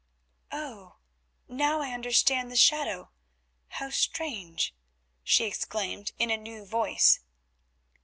"Oh! now I understand the shadow—how strange," she exclaimed in a new voice.